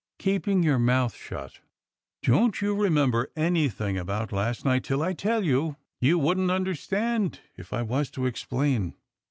"Keeping your mouth shut. Don't you remember anything about last night till I tell you — you wouldn't understand if I was to explain.